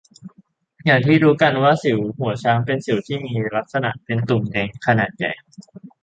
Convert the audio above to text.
อย่างที่รู้กันดีว่าสิวหัวช้างเป็นสิวที่มีลักษณะเป็นตุ้มแดงขนาดใหญ่